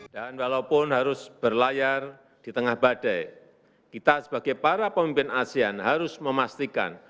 dan walaupun harus berlayar di tengah badai kita sebagai para pemimpin asean harus memastikan